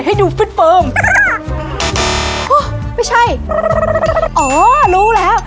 ให้ดูฟืดเฟิร์มโอ้ไม่ใช่อ๋อรู้แล้ว